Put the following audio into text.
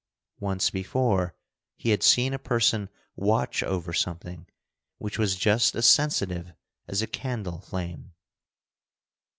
Once before he had seen a person watch over something which was just as sensitive as a candle flame.